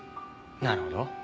なるほど。